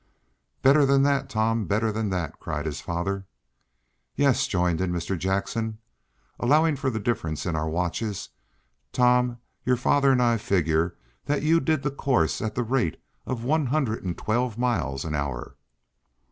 "Better than that, Tom! Better than that!" cried his father. "Yes," joined in Mr. Jackson. "Allowing for the difference in our watches, Tom, your father and I figure that you did the course at the rate of one hundred and twelve miles an hour!"